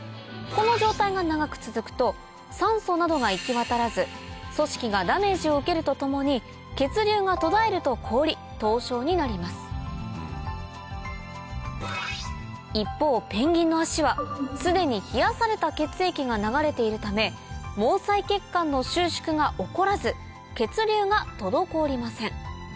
この状態が長く続くと酸素などが行きわたらず組織がダメージを受けるとともに血流が途絶えると凍り凍傷になります一方ペンギンの足は既に冷やされた血液が流れているため毛細血管の収縮が起こらず血流が滞りません